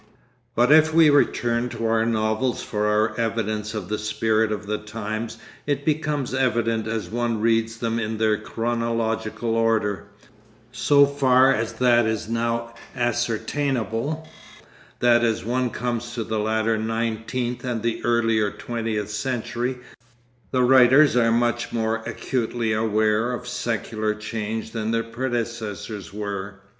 But if we return to our novels for our evidence of the spirit of the times it becomes evident as one reads them in their chronological order, so far as that is now ascertainable, that as one comes to the latter nineteenth and the earlier twentieth century the writers are much more acutely aware of secular change than their predecessors were.